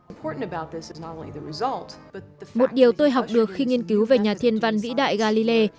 một điều tôi học được khi nghiên cứu về nhà thiên văn vĩ đại galilei